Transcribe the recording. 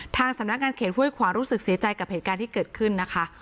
ทางสำนักงานเขตห้วยขวางรู้สึกเสียใจกับเหตุการณ์ที่เกิดขึ้นนะคะ